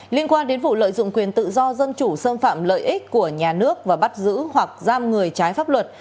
liên quan đến vụ lợi dụng quyền tự do dân chủ xâm phạm lợi ích của nhà nước và bắt giữ hoặc giam người trái pháp luật